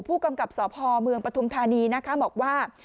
ผู้กำกับสพเมืองปฐุมธานีนะคะบอกว่า